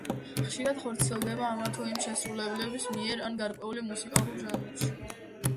ხშირად ხორციელდება ამა თუ იმ შემსრულებლის მიერ ან გარკვეულ მუსიკალურ ჟანრებში.